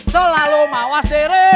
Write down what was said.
selalu mawas diri